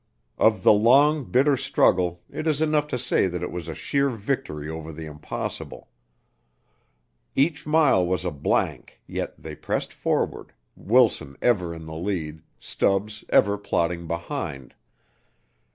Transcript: Of the long, bitter struggle, it is enough to say that it was a sheer victory over the impossible. Each mile was a blank, yet they pressed forward, Wilson ever in the lead, Stubbs ever plodding behind.